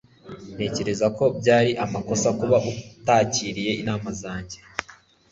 Ntekereza ko byari amakosa kuba utakiriye inama zanjye.